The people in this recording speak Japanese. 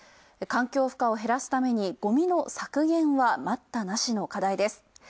環境負荷を減らすためにゴミの削減は待ったなしの課題です。